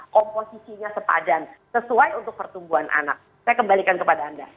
komposisinya sepadan sesuai untuk pertumbuhan anak saya kembalikan kepada anda